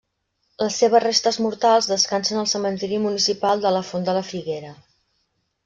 Les seves restes mortals descansen al cementiri municipal de la Font de la Figuera.